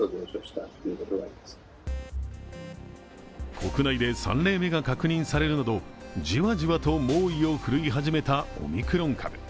国内で３例目が確認されるなど、じわじわと猛威を振るい始めたオミクロン株。